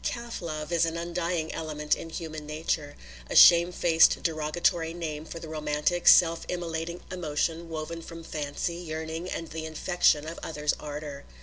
Calf love is an undying element in human nature, a shame faced derogatory name for the romantic, self immolating emotion woven from fancy, yearning and the infection of other's ardour.